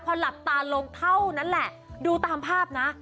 พอหลับตาลงเท่านั้นแหละดูตามภาพนะ